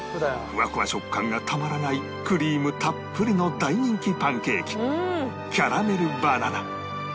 フワフワ食感がたまらないクリームたっぷりの大人気パンケーキキャラメルバナナ